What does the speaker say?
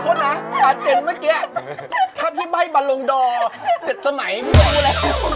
โทษนะบาเจนเมื่อกี้ถ้าพี่ใบ้มาลงดอร์๗สมัยพี่ก็รู้แล้ว